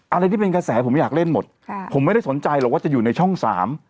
อะไรที่เป็นกระแสผมอยากเล่นหมดค่ะผมไม่ได้สนใจหรอกว่าจะอยู่ในช่องสาม